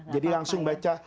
jadi langsung baca